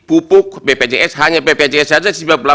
pupuk bpjs hanya bpjs saja